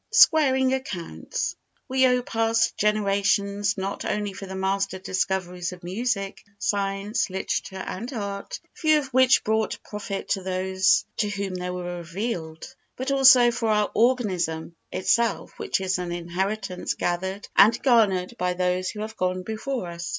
Squaring Accounts We owe past generations not only for the master discoveries of music, science, literature and art—few of which brought profit to those to whom they were revealed—but also for our organism itself which is an inheritance gathered and garnered by those who have gone before us.